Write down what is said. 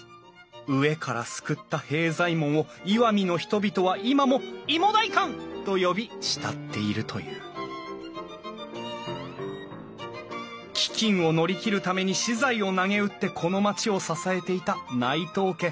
飢えから救った平左衛門を石見の人々は今もいも代官と呼び慕っているという飢饉を乗り切るために私財をなげうってこの町を支えていた内藤家。